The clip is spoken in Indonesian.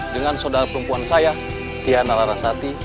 dengan saudara perempuan saya tia nalarasati